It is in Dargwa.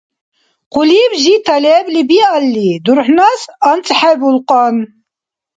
Хъулиб жита лебли биалли, дурхӀнас анцӀхӀебулкьан.